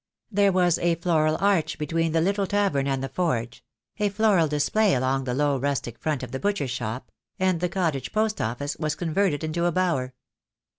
There was a floral arch between the little tavern and the forge — a floral display along the low rustic front of the butcher's shop — and the cottage post office was con verted into a bower.